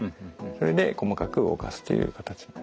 それで細かく動かすという形。